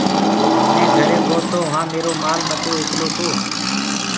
مينٚ گھري گو تو وهآنٚ ميرو مآل متو ايڪلو تو۔